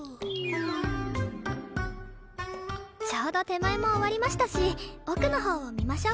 ちょうど手前も終わりましたし奥のほうを見ましょうか。